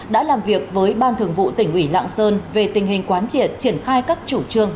đã làm việc với ban thường vụ tỉnh ủy lạng sơn về tình hình quán triệt triển khai các chủ trương